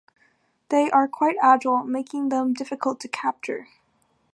They are quite agile, making them difficult to capture.